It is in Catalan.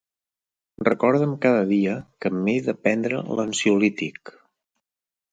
Recorda'm cada dia que m'he de prendre l'ansiolític.